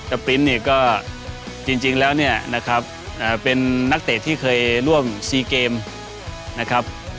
ปริ้นต์เนี่ยก็จริงแล้วเนี่ยนะครับเป็นนักเตะที่เคยร่วมซีเกมนะครับ